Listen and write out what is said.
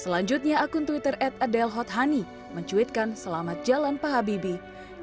selanjutnya akun twitter at adel hot honey mencuitkan selamat jalan pak habibie